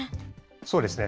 そうですね。